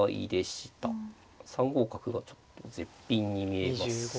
３五角がちょっと絶品に見えます。